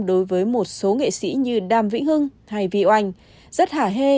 đối với một số nghệ sĩ như đam vĩnh hưng hay vị oanh rất hả hê